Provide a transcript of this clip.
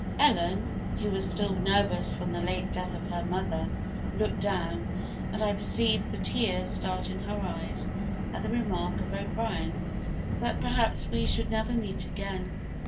Ellen, who was still nervous from the late death of my mother, looked down, and I perceived the tears start in her eyes at the remark of O'Brien, that perhaps we should never meet again.